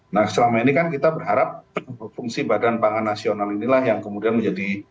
nah selama ini kan kita berharap fungsi badan pangan nasional inilah yang kemudian menjadi